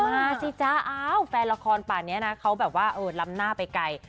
มาสิจ๊ะแฟนละครป่านี้นะเขาแบบว่าล้ำหน้าไปไกล